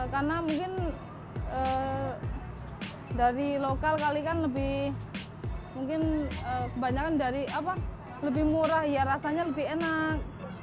karena mungkin dari lokal kali kan lebih murah rasanya lebih enak